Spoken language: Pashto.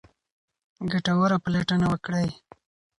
ګټوره پلټنه وکړئ.